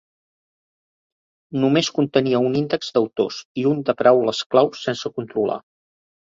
Només contenia un índex d'autors i un de paraules clau sense controlar.